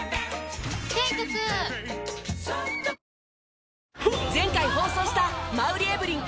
ペイトク前回放送した馬瓜エブリン